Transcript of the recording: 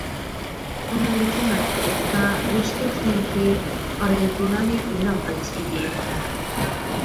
بۇنىڭدىكى مەقسىتى بولسا ئۇرۇشتىن كېيىنكى ئارگېنتىنانى ئېلان قىلىش ئىدى.